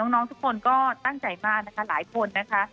น้องทุกคนก็ตั้งใจมากนะคะหลายคนนะคะ